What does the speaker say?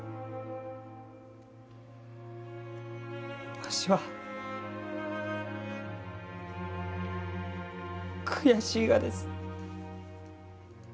わしは悔しいがです。